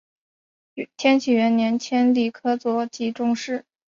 天启元年迁礼科左给事中。